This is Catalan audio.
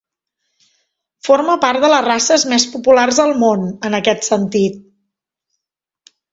Forma part de les races més populars al món en aquest sentit.